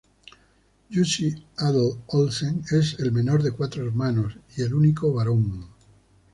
Jussi Adler-Olsen es el menor de cuatro hermanos y el único varón.